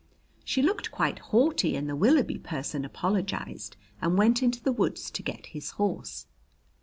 She looked quite haughty, and the Willoughby person apologized and went into the woods to get his horse.